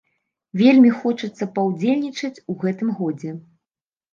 Вельмі хочацца паўдзельнічаць у гэтым годзе.